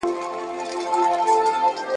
خپل ذهن له بدو فکرونو پاک وساتئ.